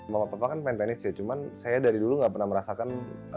mama papa kan pengen tenis ya cuman saya dari dulu gak pernah merasakan